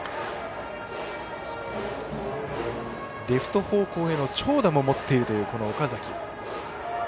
レフト方向への長打も持っているという岡崎。